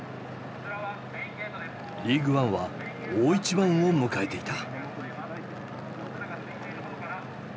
リーグワンは大一番を迎えていた。